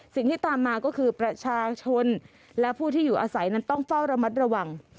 สิ่งที่ตามมาก็คือประชาชนและผู้ที่อยู่อาศัยนั้นต้องเฝ้าระมัดระวัง